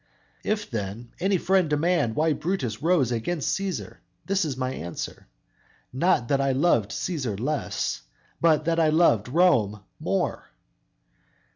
"If then that friend demand why Brutus rose against Cæsar, this is my answer. Not that I loved Cæsar less; but that I loved Rome more!